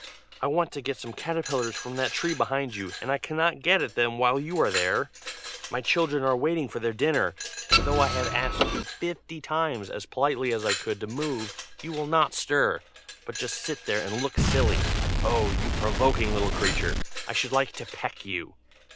I want to get some caterpillars from that tree behind you, and I cannot get at them while you are there. My children are waiting for their dinner, and though I have asked you fifty times, as politely as I could, to move, you will not stir, but just sit there and look silly. Oh! you provoking little creature! I should like to peck you!"